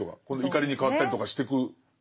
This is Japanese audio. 怒りに変わったりとかしてく。